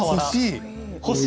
欲しい。